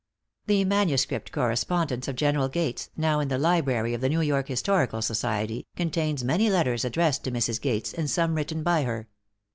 The manuscript correspondence of General Gates, now in the library of the New York Historical Society, contains many letters addressed to Mrs. Gates, and some written by her.